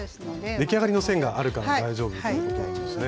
出来上がりの線があるから大丈夫ということなんですね。